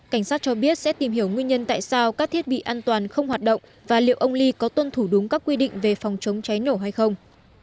cảnh sát cho biết sẽ tìm hiểu nguyên nhân tại sao các thiết bị an toàn không hoạt động và liệu ông lee có tuân thủ đúng các quy định về phòng chống cháy nổ hay không